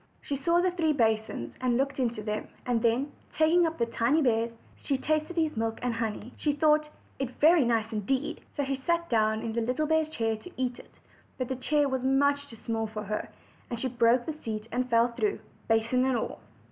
She saw the three basins, and looked into them, and then, taking up the tiny bear's, she tasted his milk and OLD, OLD FAIRT TALES. honey. She thought it very nice indeed; so she sat down in the little bear's chair to eat it; but the chair was much too small for her, and she broke the seat and fell through, basin and all.